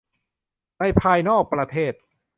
ในภายนอกประเทศ